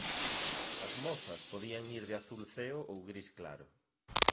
As mozas podían ir de azul ceo ou gris claro.